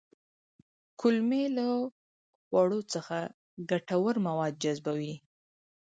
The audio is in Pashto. کولمې له خوړو څخه ګټور مواد جذبوي